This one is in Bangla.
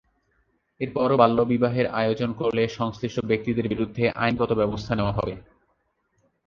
এরপরও বাল্যবিবাহের আয়োজন করলে সংশ্লিষ্ট ব্যক্তিদের বিরুদ্ধে আইনগত ব্যবস্থা নেওয়া হবে।